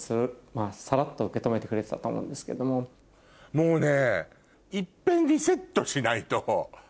もうね。